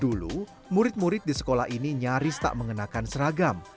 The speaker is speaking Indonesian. dulu murid murid di sekolah ini nyaris tak mengenakan seragam